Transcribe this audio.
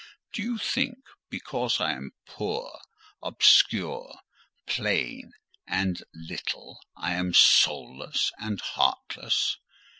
Do you think, because I am poor, obscure, plain, and little, I am soulless and heartless?